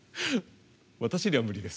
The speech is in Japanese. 私には無理です。